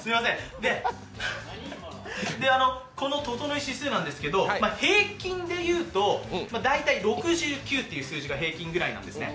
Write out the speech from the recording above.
このととのい指数なんですけど、平均でいうと大体６９という数字が平均くらいなんですね。